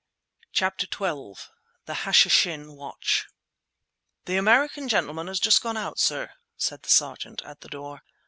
CHAPTER XII THE HASHISHIN WATCH "The American gentleman has just gone out, sir," said the sergeant at the door.